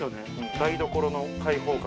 台所の開放感。